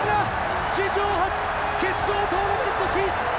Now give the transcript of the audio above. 史上初、決勝トーナメント進出！